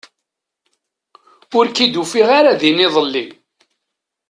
Ur ken-id-ufiɣ ara din iḍelli.